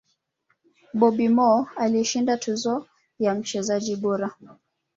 bobby Moore alishinda tuzo ya mchezaji bora